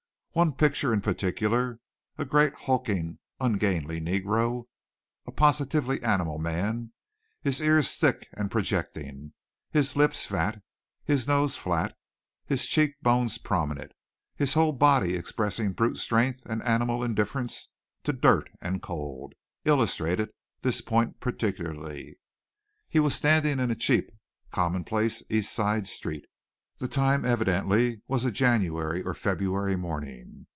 One picture in particular, a great hulking, ungainly negro, a positively animal man, his ears thick and projecting, his lips fat, his nose flat, his cheek bones prominent, his whole body expressing brute strength and animal indifference to dirt and cold, illustrated this point particularly. He was standing in a cheap, commonplace East Side street. The time evidently was a January or February morning.